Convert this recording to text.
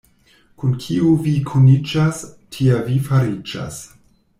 Kun kiu vi kuniĝas, tia vi fariĝas.